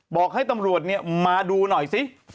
บอกให้ตำรวจมาดูหน่อยซิ